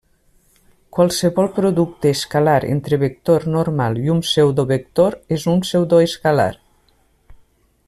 Qualsevol producte escalar entre vector normal i un pseudovector és un pseudoescalar.